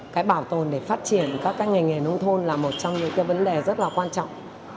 cái bảo tồn để phát triển các cái ngành nghề nông thôn là một trong những cái vấn đề rất là quan trọng